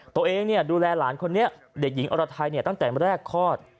ตัวเองเนี่ยดูแลหลานคนนี้ดิ่งอรไทเนี่ยตั้งแต่งแรกคลอด